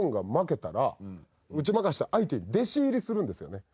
打ち負かした相手に弟子入りするんですよね。